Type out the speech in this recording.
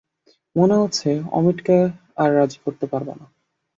মনে হচ্ছে, অমিটকে আর রাজি করতে পারব না।